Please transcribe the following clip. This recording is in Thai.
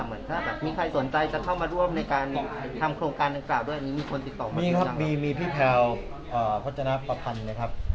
เหมือนมีใครต้องมาร่วมทำโครงการกล่าวด้วยอันนี้มีคนติดต่อข้างนั้น